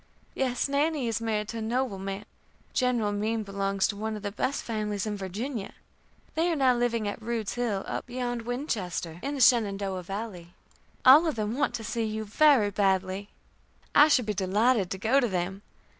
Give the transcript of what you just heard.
"Yes, Nannie is married to a noble man. General Meem belongs to one of the best families in Virginia. They are now living at Rude's Hill, up beyond Winchester, in the Shenandoah Valley. All of them want to see you very badly." "I should be delighted to go to them.